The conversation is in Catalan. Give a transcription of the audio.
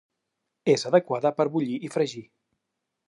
És adequada per bullir i fregir.